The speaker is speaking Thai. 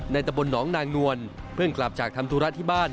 ตะบลหนองนางนวลเพิ่งกลับจากทำธุระที่บ้าน